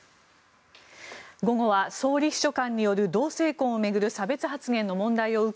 午後は、総理秘書官による同性婚を巡る差別発言の問題を受け